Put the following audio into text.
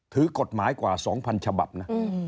ถือกฎหมายกว่า๒๐๐ฉบับนะ